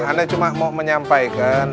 anda cuma mau menyampaikan